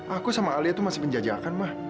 aku sama alia tuh masih penjajakan ma